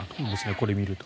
これを見ると。